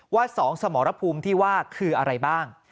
ว่า๒สมรภูมิที่ว่าคืออะไรบ้าง